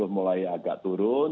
dua puluh mulai agak turun